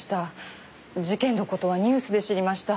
事件の事はニュースで知りました。